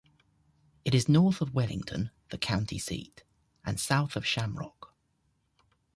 It is north of Wellington, the county seat, and south of Shamrock.